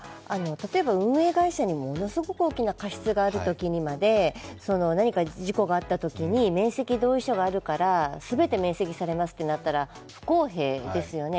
例えば運営会社にものすごく大きな過失があるときにまで何か事故があったときに免責同意書があるから全て免責されますってなったら不公平ですよね。